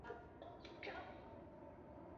米村的总面积为平方公里。